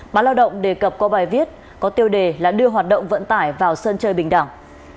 báo lao động đề cập qua bài viết có tiêu đề là đưa hoạt động vận tải vào sân chơi bình đẳng